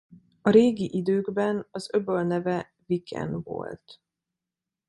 A régi időkben az öböl neve Viken volt.